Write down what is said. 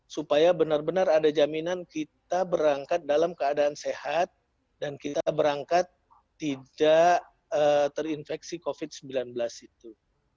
supaya benar benar ada jaminan kita berangkat dalam keadaan sehat dan kita berangkat tidak terinfeksi covid sembilan belas itu